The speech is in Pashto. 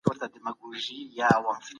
بهرنی سیاست د ملي امنیت یوه برخه ده.